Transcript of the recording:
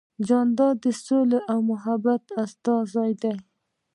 جانداد د سولې او محبت استازی دی.